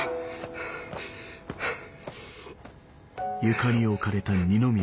ハァハァ！